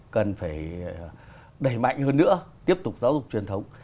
cần phải đẩy mạnh hơn nữa tiếp tục giáo dục truyền thống